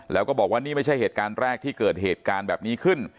แล้วก็บอกว่านี่ไม่ใช่เหตุการณ์แรกที่เกิดเหตุการณ์แบบนี้ขึ้น